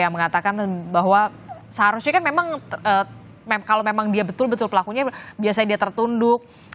yang mengatakan bahwa seharusnya kan memang kalau memang dia betul betul pelakunya biasanya dia tertunduk